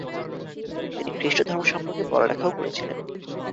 তিনি খ্রীষ্টধর্ম সম্পর্কে পড়ালেখাও করেছিলেন।